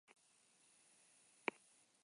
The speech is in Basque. Beraz, orain alde txikiagoa dago bi taldeen artean.